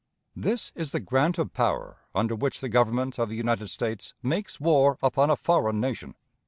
This is the grant of power under which the Government of the United States makes war upon a foreign nation.